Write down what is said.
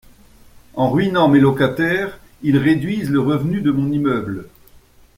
En ruinant mes locataires, ils réduisent le revenu de mon immeuble.